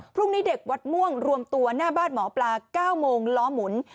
พรุ่งนี้เด็กวัดม่วงรวมตัวหน้าบ้านหมอปลา๙โมงล้อหมุน